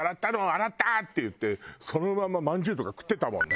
「洗った！」って言ってそのまままんじゅうとか食ってたもんね。